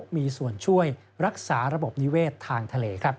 มีส่วนช่วยรักษาระบบนิเวศทางทะเล